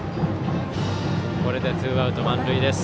これでツーアウト満塁です。